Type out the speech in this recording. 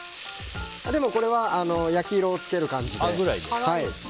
でもこれは焼き色を付ける感じで。